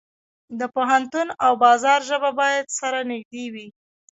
د پوهنتون او بازار ژبه باید سره نږدې وي.